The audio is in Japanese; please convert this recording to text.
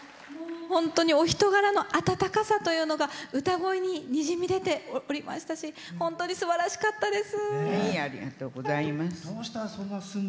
本当にお人柄の温かさというのが歌声に、にじみ出ておりましたし本当にすばらしかったです。